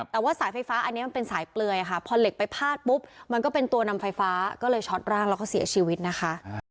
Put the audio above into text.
แต่ว่าสายไฟฟ้าอันนี้มันเป็นสายเปลือยค่ะพอเหล็กไปพาดปุ๊บมันก็เป็นตัวนำไฟฟ้าก็เลยช็อตร่างแล้วก็เสียชีวิตนะคะ